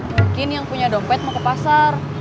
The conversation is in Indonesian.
mungkin yang punya dompet mau ke pasar